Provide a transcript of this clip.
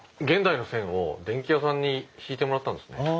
現代の線を電気屋さんに引いてもらったんですね。